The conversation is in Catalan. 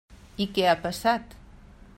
I què ha passat?